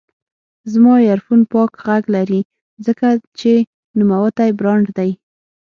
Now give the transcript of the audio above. زما ایرفون پاک غږ لري، ځکه چې نوموتی برانډ دی.